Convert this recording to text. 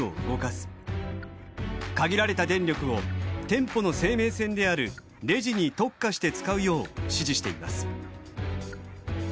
限られた電力を店舗の生命線であるレジに特化して使うよう指示しています。